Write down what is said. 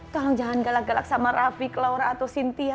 tolong jangan galak galak sama rafi klaura atau sintia